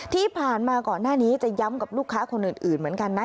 ที่ผ่านมาก่อนหน้านี้จะย้ำกับลูกค้าคนอื่นเหมือนกันนะ